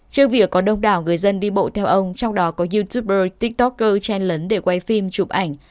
trước việc có đông đảo người dân đi bộ theo ông trong đó có youtube tiktoker chen lấn để quay phim chụp ảnh